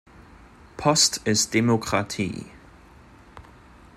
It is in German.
Post ist Demokratie.